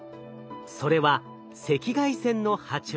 それは赤外線の波長。